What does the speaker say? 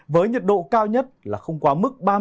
với nhiệt độ cao nhất là không quá mức